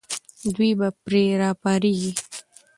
دوی به پرې راپارېږي.